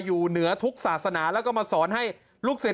อยู่เหนือทุกศาสนาแล้วก็มาสอนให้ลูกศิษย